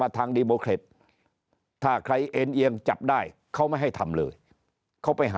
มาทางดีโมเครตถ้าใครมงค์จับได้เขาไม่ให้ทำเลยเขาไป